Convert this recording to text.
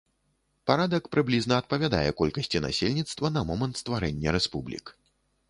Парадак прыблізна адпавядае колькасці насельніцтва на момант стварэння рэспублік.